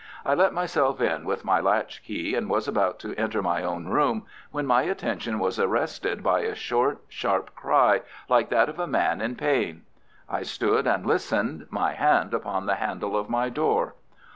I let myself in with my latch key, and was about to enter my own room when my attention was arrested by a short, sharp cry like that of a man in pain. I stood and listened, my hand upon the handle of my door.